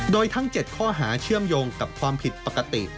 โดยทั้ง๗ข้อหาเชื่อมโยงกับความผิดปกติ